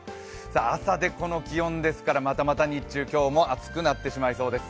朝でこの気温ですから、またまた日中、今日も暑くなってしまいそうです。